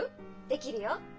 できるよ。